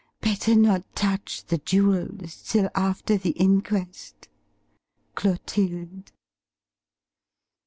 Better not touch the jewels till after the inquest. "CLOTILDE."